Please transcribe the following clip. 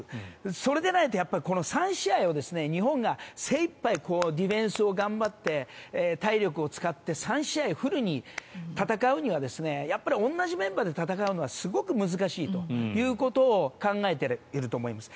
それでないと、３試合を日本が精いっぱいディフェンスを頑張って体力を使って３試合フルに戦うにはやっぱり同じメンバーで戦うにはすごく難しいということを考えていると思います。